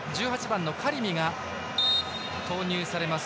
１８番のカリミが投入されます。